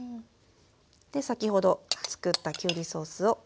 で先ほどつくったきゅうりソースをかけて下さい。